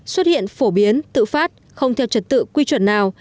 xuất hiện phổ biến tự phát không theo trật tự quy chuẩn nào